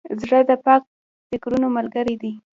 زړه د پاک فکرونو ملګری دی.